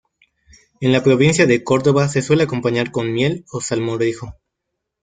En la provincia de Córdoba se suele acompañar con miel o salmorejo.